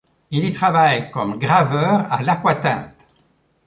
Il y travaille comme graveur à l’aquatinte.